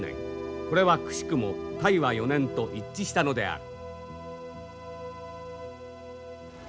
これはくしくも泰和４年と一致したのである。